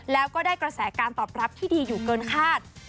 แล้วก็ได้กระแสการตอบรับที่ดีอยู่เกินคาด